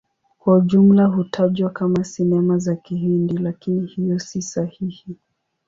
Kwa ujumla hutajwa kama Sinema za Kihindi, lakini hiyo si sahihi.